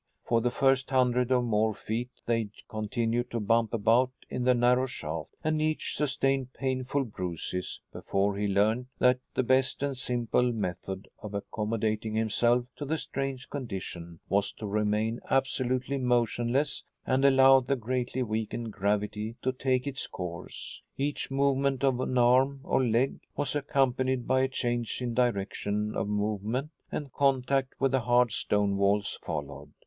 For the first hundred or more feet they continued to bump about in the narrow shaft and each sustained painful bruises before he learned that the best and simplest method of accommodating himself to the strange condition was to remain absolutely motionless and allow the greatly weakened gravity to take its course. Each movement of an arm or leg was accompanied by a change in direction of movement, and contact with the hard stone walls followed.